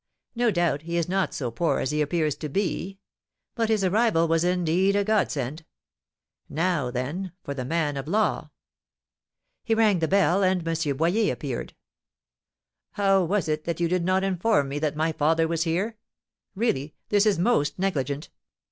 No doubt he is not so poor as he appears to be. But his arrival was indeed a godsend. Now, then, for the man of law!" He rang the bell, and M. Boyer appeared. "How was it that you did not inform me that my father was here? Really, this is most negligent."